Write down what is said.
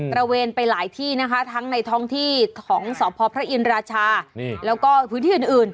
ระเวนไปหลายที่นะคะทั้งในท้องที่ของสพพระอินราชาแล้วก็พื้นที่อื่น